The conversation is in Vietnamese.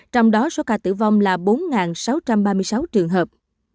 trong đó số ca tử vong là bốn sáu trăm ba mươi sáu trường hợp